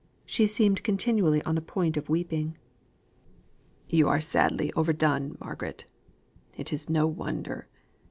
She seemed continually on the point of weeping. "You are sadly overdone, Margaret. It is no wonder.